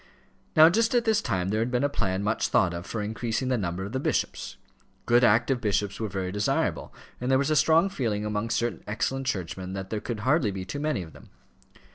Now just at this time there had been a plan much thought of for increasing the number of the bishops. Good active bishops were very desirable, and there was a strong feeling among certain excellent churchmen that there could hardly be too many of them.